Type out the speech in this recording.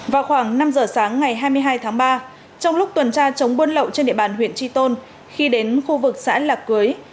vào khoảng năm giờ sáng ngày hai mươi hai tháng ba trong lúc tuần tra chống buôn lậu trên địa bàn huyện tri tôn khi đến khu vực xã lạc cưới